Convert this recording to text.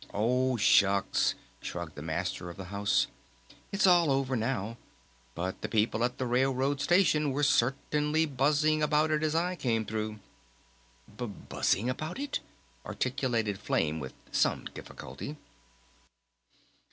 "Oh, Shucks!" shrugged the Master of the House. "It's all over now. But the people at the railroad station were certainly buzzing about it as I came through." "B buzzing about it?" articulated Flame with some difficulty.